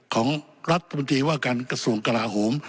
ของรัฐบุรณีว่าการกระทรวงกระหลาหม